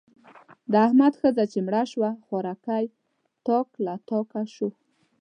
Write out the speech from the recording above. د احمد ښځه چې مړه شوه؛ خوارکی تاک له تاکه شو.